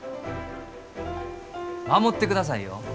守ってくださいよ。